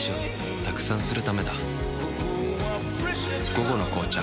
「午後の紅茶」